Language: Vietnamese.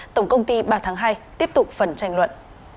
tổng công ty ba tháng hai tiếp tục phần tranh luận